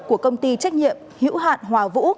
của công ty trách nhiệm hữu hạn hòa vũ